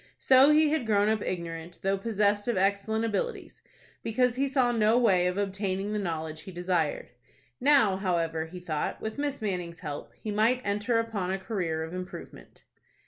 So he had grown up ignorant, though possessed of excellent abilities, because he saw no way of obtaining the knowledge he desired. Now, however, he thought, with Miss Manning's help, he might enter upon a career of improvement.